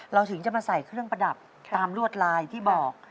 ถึงจะมาใส่เครื่องประดับตามลวดลายที่บอก